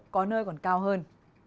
có nơi còn cao hơn